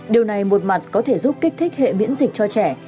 điều này một mặt có thể giúp kích thích hệ miễn dịch cho trẻ